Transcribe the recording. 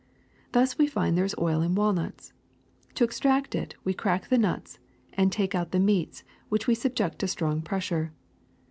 Thus we find there is oil in walnuts. To extract it, we crack the nuts and take out the meats, which we subject to strong pressure.